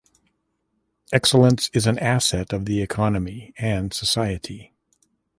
Excellence is an asset of the economy and society.